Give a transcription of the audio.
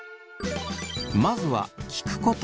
まずは聞くこと。